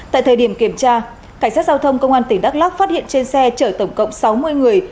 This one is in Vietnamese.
tại thời điểm kiểm tra cảnh sát giao thông công an tỉnh đắk lắc phát hiện trên xe chở tổng cộng sáu mươi người